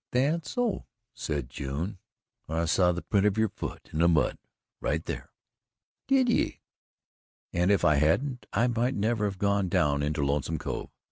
"That's so," said June. "I saw the print of your foot in the mud right there." "Did ye?" "And if I hadn't, I might never have gone down into Lonesome Cove."